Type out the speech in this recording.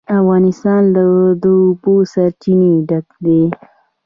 افغانستان له د اوبو سرچینې ډک دی.